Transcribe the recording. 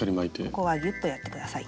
ここはギュッとやって下さい。